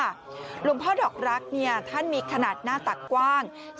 หลวงพ่อดอกรักท่านมีขนาดหน้าตักกว้าง